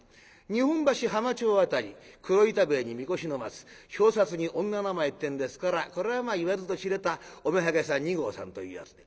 日本橋浜町辺り黒板塀に見越しの松表札に女名前ってんですからこれは言わずと知れたお妾さん二号さんというやつで。